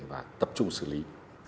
và tập trung xử lý